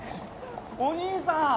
お兄さん。